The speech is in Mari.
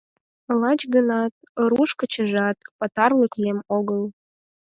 Лач гынат, «руш кочыжат» патырлык лем огыл...